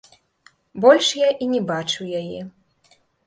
Больш я і не бачыў яе.